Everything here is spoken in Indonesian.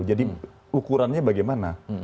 jadi ukurannya bagaimana